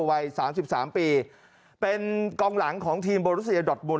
วัยสามสิบสามปีเป็นกองหลังของทีมโบรุเซียดอทบุญ